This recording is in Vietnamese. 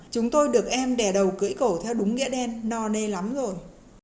chúng tôi được em đẻ đầu cưỡi cổ theo đúng nghĩa đen no nê lắm rồi